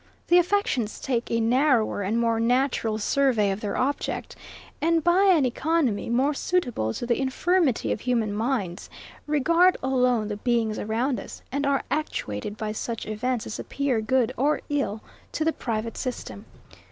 The affections take a narrower and more natural survey of their object; and by an economy, more suitable to the infirmity of human minds, regard alone the beings around us, and are actuated by such events as appear good or ill to the private system.